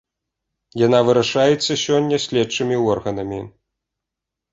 Яна вырашаецца сёння следчымі органамі.